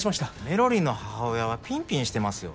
メロりんの母親はピンピンしてますよ。